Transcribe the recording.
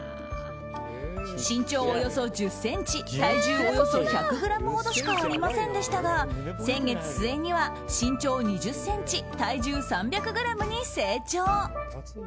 身長およそ１０ｃｍ体重およそ１００ｇほどしかありませんでしたが先月末には身長２０ｃｍ体重３００ｇに成長。